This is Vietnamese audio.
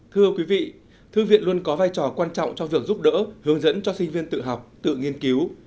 thưa quý vị thư viện luôn có vai trò quan trọng trong việc giúp đỡ hướng dẫn cho sinh viên tự học tự nghiên cứu